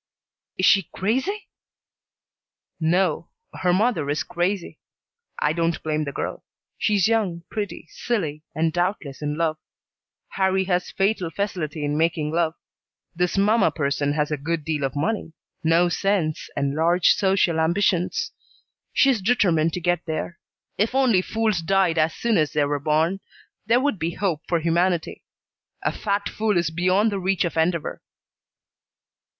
"Is she crazy?" "No. Her mother is crazy. I don't blame the girl. She's young, pretty, silly, and doubtless in love. Harrie has fatal facility in making love. This mamma person has a good deal of money; no sense, and large social ambitions. She's determined to get there. If only fools died as soon as they were born there would be hope for humanity. A fat fool is beyond the reach of endeavor."